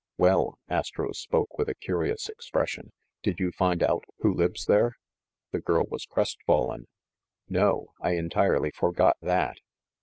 "Well," Astro spoke with a curious expression, "did you find out who lives there?" The girl was crestfallen. "No. I entirely forgot that."